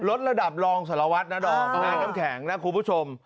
ระดับรองสารวัตรนะดอมนะน้ำแข็งนะคุณผู้ชม